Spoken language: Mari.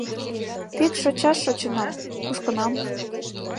- Пӱкш шочаш шочынам, кушкынам.